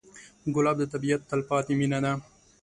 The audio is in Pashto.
ګلاب د طبیعت تلپاتې مینه ده.